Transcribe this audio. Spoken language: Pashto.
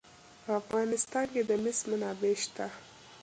په افغانستان کې د مس منابع شته.